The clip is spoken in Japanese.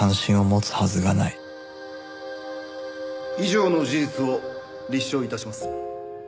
以上の事実を立証致します。